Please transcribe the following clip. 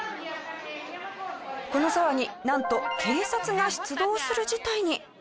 この騒ぎなんと警察が出動する事態に。